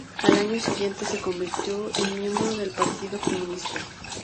Al año siguiente, se convirtió en miembro del Partido Comunista.